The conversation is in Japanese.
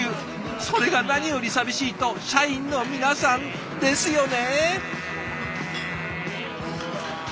それが何より寂しいと社員の皆さん。ですよね。